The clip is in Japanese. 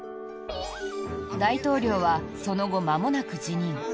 大統領は、その後まもなく辞任。